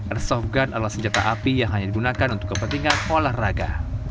airsoft gun adalah senjata api yang hanya digunakan untuk kepentingan olahraga